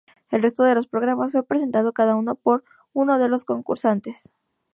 El resto de los programas fue presentado cada uno por uno de los concursantes.